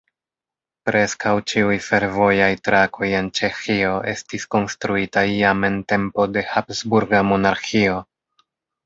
Preskaŭ ĉiuj fervojaj trakoj en Ĉeĥio estis konstruitaj jam en tempo de Habsburga monarĥio.